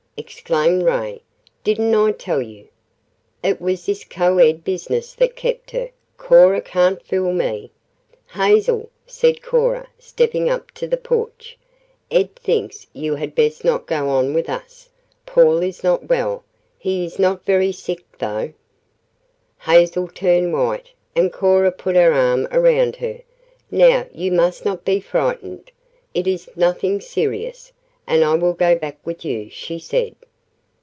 exclaimed Ray. "Didn't I tell you? It was this Co Ed business that kept her. Cora can't fool me." "Hazel," said Cora, stepping up to the porch, "Ed thinks you had best not go on with us. Paul is not well he is not very sick, though " Hazel turned white, and Cora put her arm around her. "Now you must not be frightened. It is nothing serious, and I will go back with you," she said.